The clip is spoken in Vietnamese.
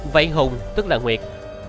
vậy hùng tức là nguyệt